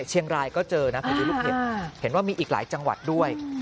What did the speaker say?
เชียงรายก็เจอนะพอดีลูกเห็บเห็นว่ามีอีกหลายจังหวัดด้วย